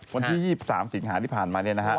วันที่๒๓สิงหาที่ผ่านมาเนี่ยนะฮะ